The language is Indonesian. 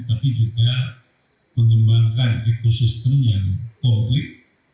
tapi juga mengembangkan ekosistem yang komplit